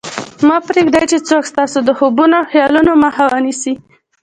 مه پرېږدئ څوک ستاسې د خوبونو او خیالونو مخه ونیسي